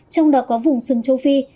trong đó có vùng sừng châu phi